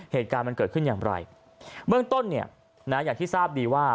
เหตุการณ์มันเกิดขึ้นอย่างไรเบื้องต้นเนี่ยนะอย่างที่ทราบดีว่า